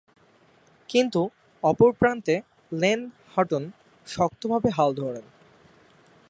কিন্তু, অপর প্রান্তে লেন হাটন শক্তভাবে হাল ধরেন।